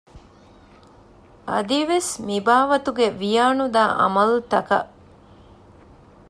އަދިވެސް މިބާވަތުގެ ވިޔާނުދާ ޢަމަލުތަކަށް